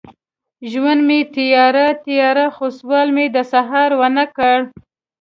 ژوند مې تیاره، تیاره، خو سوال مې د سهار ونه کړ